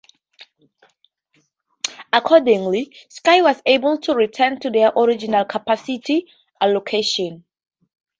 Accordingly, Sky was able to return to their original capacity allocation.